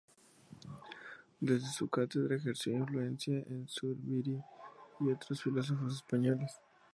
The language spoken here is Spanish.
Desde su cátedra ejerció influencia en Zubiri y otros filósofos españoles.